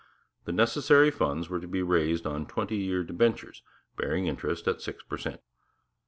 The necessary funds were to be raised on twenty year debentures bearing interest at six per cent.